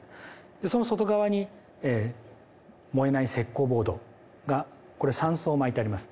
その外側に燃えない石こうボードが、これ、３層巻いてあります。